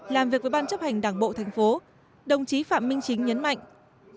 làm việc với ban chấp hành đảng bộ tp đồng chí phạm minh chính nhấn mạnh